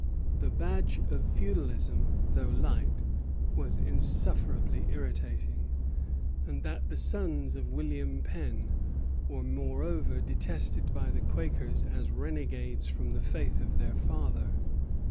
The badge of feudalism, though light, was insufferably irritating; and the sons of William Penn were moreover detested by the Quakers as renegades from the faith of their father.